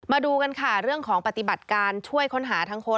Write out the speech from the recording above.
มาดูกันค่ะเรื่องของปฏิบัติการช่วยค้นหาทั้งคน